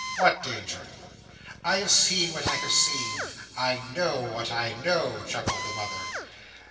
"What danger?" "I have seen what I have seen. I know what I know!" chuckled the mother.